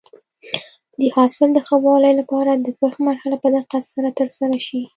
د حاصل د ښه والي لپاره د کښت مرحله په دقت سره ترسره شي.